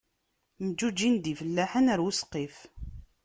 Mǧuǧǧin-d ifellaḥen ɣer usqif.